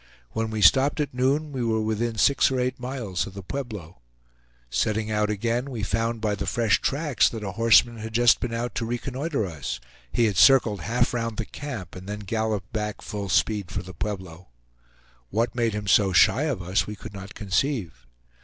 When we stopped at noon, we were within six or eight miles of the Pueblo. Setting out again, we found by the fresh tracks that a horseman had just been out to reconnoiter us; he had circled half round the camp, and then galloped back full speed for the Pueblo. What made him so shy of us we could not conceive.